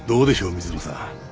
水野さん。